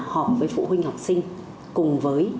họp với phụ huynh học sinh cùng với